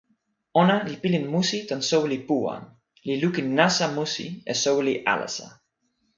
ona li pilin musi tan soweli Puwan, li lukin nasa musi e soweli alasa.